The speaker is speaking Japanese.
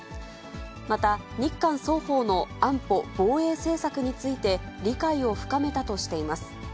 また、日韓双方の安保・防衛政策について理解を深めたとしています。